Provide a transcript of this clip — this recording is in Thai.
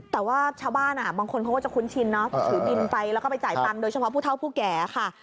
แต่ว่าชาวบ้านบางคนเขาก็จะคุ้นชินเนาะถือบินไปแล้วก็ไปจ่ายตังค์โดยเฉพาะผู้เท่าผู้แก่ค่ะ